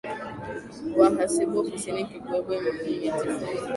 Wahasibu ofisini, kibwebwe mejifunga,